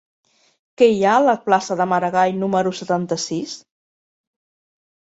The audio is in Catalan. Què hi ha a la plaça de Maragall número setanta-sis?